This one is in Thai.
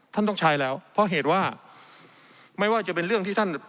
ท่านต้องใช้แล้วเพราะเหตุว่าไม่ว่าจะเป็นเรื่องที่ท่าน